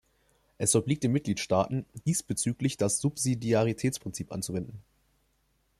Es obliegt den Mitgliedstaaten, diesbezüglich das Subsidiaritätsprinzip anzuwenden.